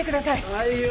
はいよ！